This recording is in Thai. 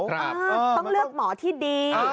ต้องเลือกหมอที่ดี